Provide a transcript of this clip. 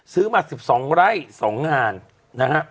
ซื้อมา๑๒ไร่๒งาน